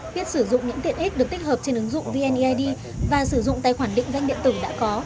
biết sử dụng những tiện ích được tích hợp trên ứng dụng vneid và sử dụng tài khoản định danh điện tử đã có